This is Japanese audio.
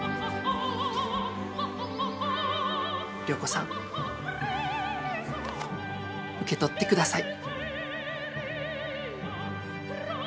良子さん受け取ってください。